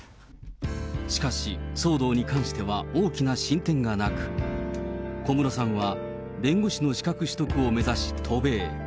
しかし、騒動に関しては大きな進展がなく、小室さんは弁護士の資格取得を目指し渡米。